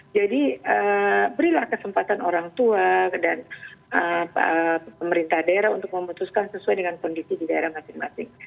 jadi berilah kesempatan orang tua dan pemerintah daerah untuk memutuskan sesuai dengan kondisi di daerah masing masing